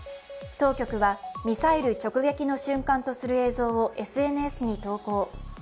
当局はミサイル直撃の瞬間とする映像をＳＮＳに投稿。